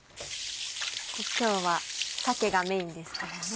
今日は鮭がメインですからね。